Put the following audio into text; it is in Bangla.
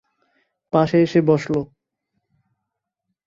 পাশে এসে বসল।